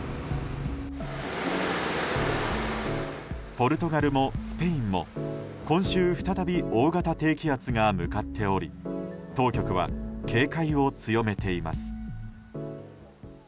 ポルトガルもスペインも今週、再び大型低気圧が向かっており当局は警戒を強めています。